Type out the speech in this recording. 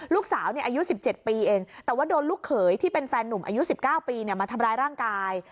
ลูกสาวอายุ๑๗ปีเองแต่ว่าโดนลูกเขยที่เป็นแฟนหนุ่มอายุ๑๙ปีมาทำร้ายร่างกาย